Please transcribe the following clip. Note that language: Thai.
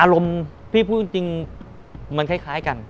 อารมณ์พี่พูดจริงมันคล้ายกัน